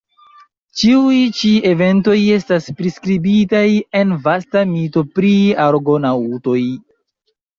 Ĉiuj ĉi eventoj estas priskribitaj en vasta mito pri Argonaŭtoj.